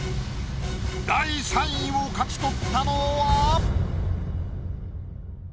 第３位を勝ち取ったのは？